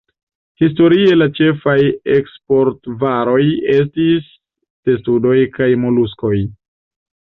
Historie la ĉefaj eksport-varoj estis testudoj kaj moluskoj.